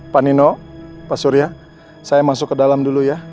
pak nino pak surya saya masuk ke dalam dulu ya